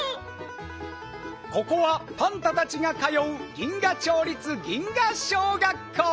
ここはパンタたちがかよう銀河町立ギンガ小学校。